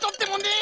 え？